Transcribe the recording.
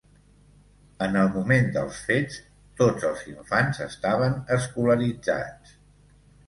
En el moment dels fets, tots els infants estaven escolaritzats.